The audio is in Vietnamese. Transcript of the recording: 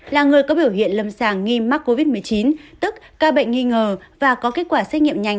là người có biểu hiện lâm sàng nghi mắc covid một mươi chín tức ca bệnh nghi ngờ và có kết quả xét nghiệm nhanh